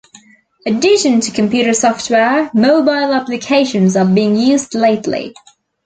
Addition to computer software, mobile applications are being used lately.